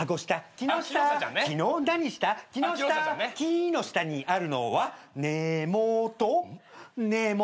「木の下にあるのは根元根元根元！」